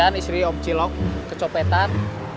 kemudian istri om cilok kecopetan